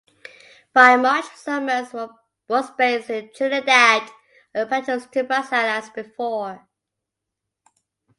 By March "Somers" was based in Trinidad on patrols to Brazil as before.